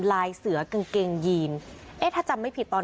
ลายเสือกางเกงยีนเอ๊ะถ้าจำไม่ผิดตอน